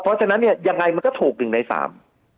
เพราะฉะนั้นเนี่ยยังไงมันก็ถูก๑ใน๓นะครับ